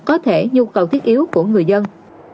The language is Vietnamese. có thể nhu cầu thiết yếu của người dân